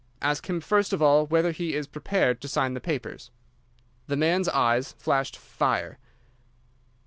Ask him first of all whether he is prepared to sign the papers?' "The man's eyes flashed fire.